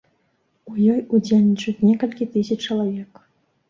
У ёй удзельнічаюць некалькі тысяч чалавек.